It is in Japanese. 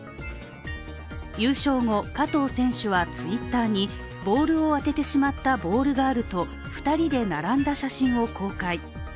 優勝後、加藤選手はＴｗｉｔｔｅｒにボールを当ててしまったボールガールと２人で並んだ写真を公開。